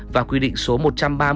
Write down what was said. và quy định số một trăm ba mươi hai